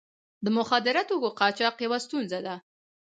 د مخدره توکو قاچاق یوه ستونزه ده.